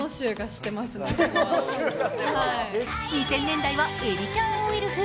２０００年代はエビちゃんＯＬ風。